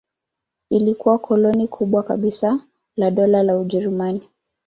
Ilikuwa koloni kubwa kabisa la Dola la Ujerumani.